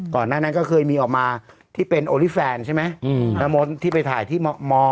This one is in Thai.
ก่อนหน้านั้นก็เคยมีออกมาที่เป็นโอลี่แฟนใช่ไหมอืมแล้วมดที่ไปถ่ายที่ม